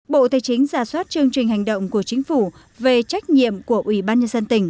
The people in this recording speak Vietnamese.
bộ tài chính giả soát chương trình hành động của chính phủ về trách nhiệm của ủy ban nhân dân tỉnh